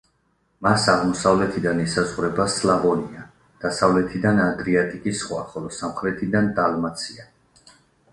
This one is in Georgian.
მას აღმოსავლეთიდან ესაზღვრება სლავონია, დასავლეთიდან ადრიატიკის ზღვა ხოლო სამხრეთიდან დალმაცია.